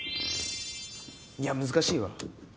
いや難しいわ！！